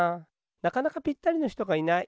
なかなかぴったりのひとがいない。